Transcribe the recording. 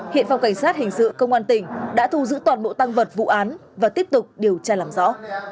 hiện phòng cảnh sát hình sự công an tỉnh đã thu giữ toàn bộ tăng vật vụ án và tiếp tục điều tra làm rõ